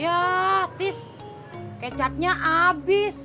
ya tis kecapnya abis